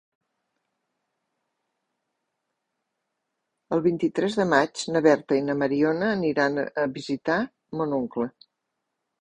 El vint-i-tres de maig na Berta i na Mariona aniran a visitar mon oncle.